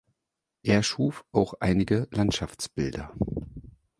Er schuf auch einige Landschaftsbilder.